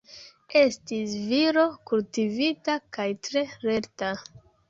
Estis viro kultivita kaj tre lerta.